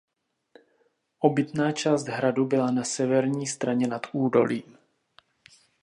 Obytná část hradu byla na severní straně nad údolím.